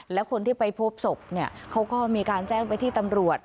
และคนที่ไปพบศพเนี่ยเขาก็มีการแจ้งไปที่ตำรวจ